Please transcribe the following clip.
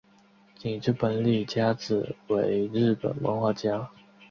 井之本理佳子为日本漫画家。